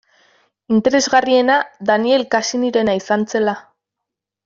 Interesgarriena Daniel Cassany-rena izan zela.